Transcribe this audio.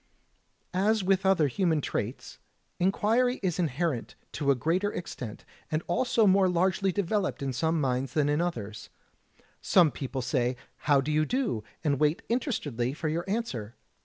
As with other human traits, inquiry is inherent to a greater extent and also more largely developed in some minds than in others. Some people say "How do you do?" and wait interestedly for your answer.